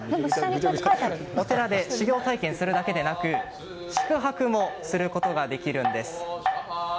こちらは、お寺で修行体験するだけでなく宿泊もすることができるんです。